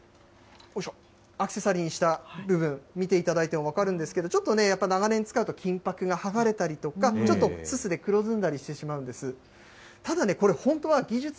これね、さっきのアクセサリーにした部分を見ていただいても分かるんですけれども、ちょっとね、やっぱ長年使うと、金ぱくが剥がれたりとか、ちょっとすすで黒ずんだりしてしまうんです。